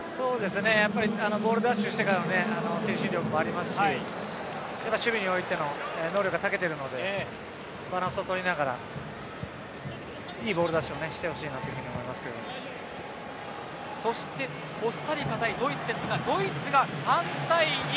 やっぱりボール奪取してからの前進力、ありますし守備においての能力が長けているのでバランスを取りながらいいボール出しをしてほしいなそしてコスタリカ対ドイツですがドイツが３対２。